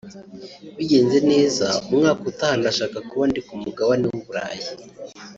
bigenze neza umwaka utaha ndashaka kuba ndi ku mugabane w’i Burayi